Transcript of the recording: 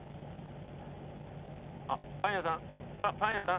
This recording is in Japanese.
あっパン屋さんパパン屋さん。